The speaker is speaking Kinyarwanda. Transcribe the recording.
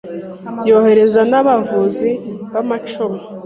yohereza n’abavuzi b’amacumu